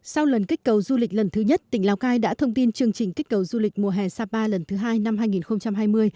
sau lần kích cầu du lịch lần thứ nhất tỉnh lào cai đã thông tin chương trình kích cầu du lịch mùa hè sapa lần thứ hai năm hai nghìn hai mươi